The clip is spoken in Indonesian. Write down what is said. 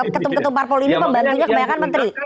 ketum ketum parpol ini pembantunya kebanyakan menteri